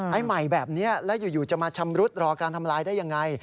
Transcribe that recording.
ใหม่แบบนี้แล้วอยู่จะมาชำรุดรอการทำลายได้ยังไง